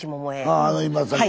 あああの今さっき。